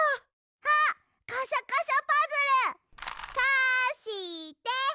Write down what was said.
あっカシャカシャパズル！かして！